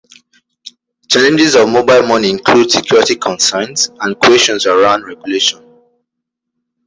Challenges of mobile money include security concerns and questions around regulation.